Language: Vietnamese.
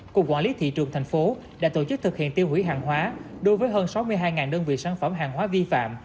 cục quản lý thị trường thành phố đã tổ chức thực hiện tiêu hủy hàng hóa đối với hơn sáu mươi hai đơn vị sản phẩm hàng hóa vi phạm